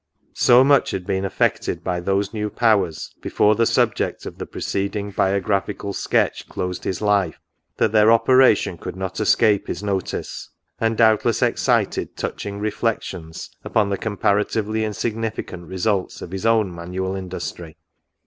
So much had been effected by those new powers, before the subject of the preceding biographical sketch closed his life, that their operation could not escape his notice, and doubtless excited touching reflections upon NOTES. 67 the comparatively insignificant results of his own manual industry.